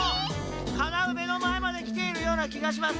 かなうめのまえまできているようなきがします。